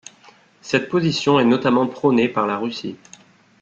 Cette position est notamment prônée par la Russie.